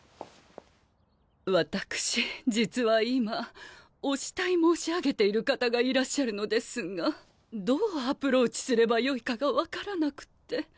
私実は今お慕い申し上げている方がいらっしゃるのですがどうアプローチすればよいかが分からなくって。